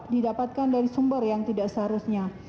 didapatkan dari sumber yang tidak seharusnya